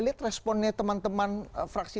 lihat responnya teman teman fraksi